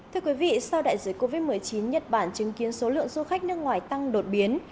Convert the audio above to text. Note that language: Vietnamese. thưa quý vị sau đại dịch covid một mươi chín nhật bản chứng kiến số lượng du khách nước ngoài tăng đột biến